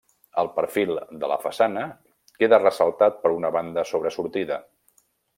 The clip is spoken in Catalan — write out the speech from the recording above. El perfil de la façana queda ressaltat per una banda sobresortida.